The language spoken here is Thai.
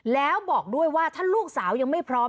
แล้วบอกด้วยว่าถ้าลูกสาวยังไม่พร้อม